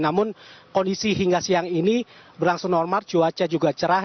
namun kondisi hingga siang ini berlangsung normal cuaca juga cerah